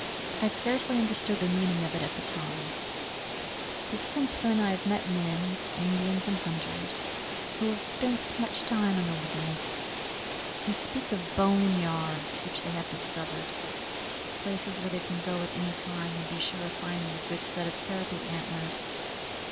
I scarcely understood the meaning of it at the time; but since then I have met men, Indians and hunters, who have spent much time in the wilderness, who speak of "bone yards" which they have discovered, places where they can go at any time and be sure of finding a good set of caribou antlers.